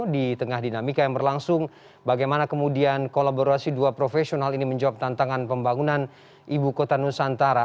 di tengah dinamika yang berlangsung bagaimana kemudian kolaborasi dua profesional ini menjawab tantangan pembangunan ibu kota nusantara